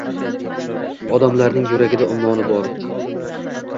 Odamlarning yuragida ummoni bor